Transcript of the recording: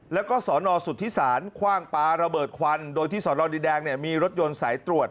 แล้วก็สอนอสุทธิศาลคว่างปลาระเบิดควันโดยที่สอนอดินแดงเนี่ยมีรถยนต์สายตรวจ